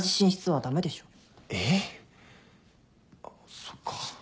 そっか。